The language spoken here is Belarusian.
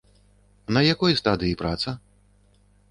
На якой стадыі праца?